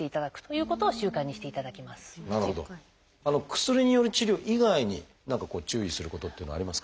薬による治療以外に何かこう注意することっていうのはありますか？